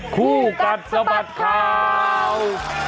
คู่กัดสะบัดข่าว